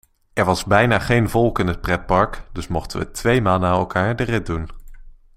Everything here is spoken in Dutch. Er was bijna geen volk in het pretpark dus mochten we tweemaal na elkaar de rit doen.